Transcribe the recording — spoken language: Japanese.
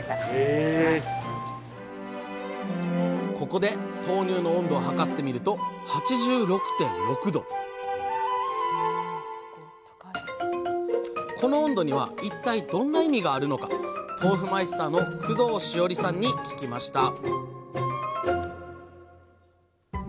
ここで豆乳の温度を測ってみると８６．６℃この温度には一体どんな意味があるのか豆腐マイスターの工藤詩織さんに聞きました